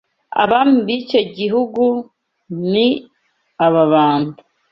Abami b’icyo gihugu ni Ababanda